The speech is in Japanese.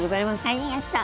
ありがとう。